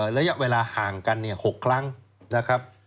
ระยะเวลาห่างกัน๖ครั้งนะครับ